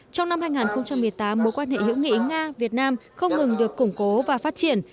trong năm hai nghìn một mươi tám mối quan hệ hữu nghị nga việt nam không ngừng được củng cố và phát triển